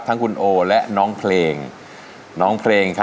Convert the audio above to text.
ทั้งคุณโอและน้องเพลง